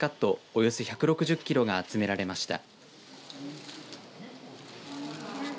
およそ１６０キロが集められました。